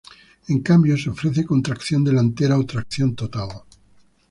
En cambio, se ofrece con tracción delantera o tracción total.